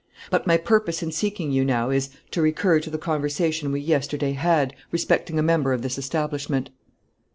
But my purpose in seeking you now is, to recur to the conversation we yesterday had, respecting a member of this establishment."